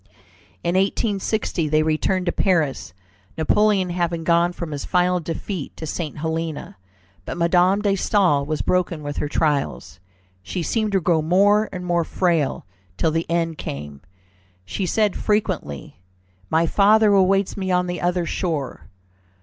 In 1816 they returned to Paris, Napoleon having gone from his final defeat to St. Helena. But Madame de Staël was broken with her trials. She seemed to grow more and more frail, till the end came. She said frequently, "My father awaits me on the other shore."